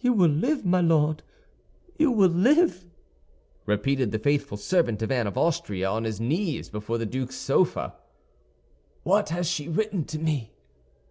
"You will live, my Lord, you will live!" repeated the faithful servant of Anne of Austria, on his knees before the duke's sofa. "What has she written to me?"